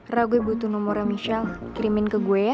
ra gue butuh nomornya michelle kirimin ke gue ya